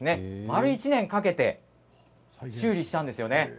丸１年かけて修理したんですよね。